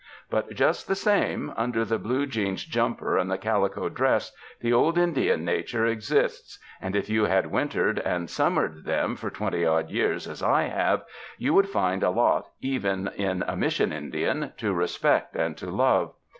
But just the same, under the blue jeans jumper and the calico dress, the old Indian nature exists, and if you had wintered and sum mered them for twenty odd years, as I have, you would find a lot, even in a Mission Indian, to respect and to love.